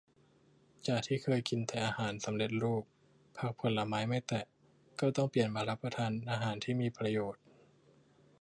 จากที่เคยกินแต่อาหารสำเร็จรูป ผักผลไม้ไม่แตะ ก็ต้องเปลี่ยนมารับประทานอาหารที่มีประโยชน์